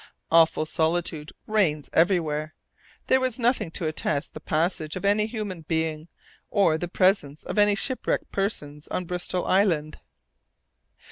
Awful solitude reigns everywhere. There was nothing to attest the passage of any human being, or the presence of any shipwrecked persons on Bristol Island.